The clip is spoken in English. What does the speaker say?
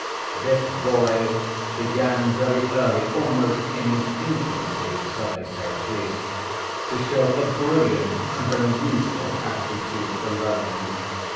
This boy began very early, almost in his infancy (so they say at least), to show a brilliant and unusual aptitude for learning.